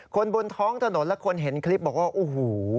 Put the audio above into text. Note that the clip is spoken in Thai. บนท้องถนนและคนเห็นคลิปบอกว่าโอ้โห